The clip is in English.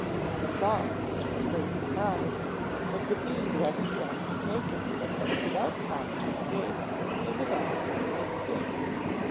He saw, to his great surprise, that the bee let itself be taken without trying to escape, and without using its sting.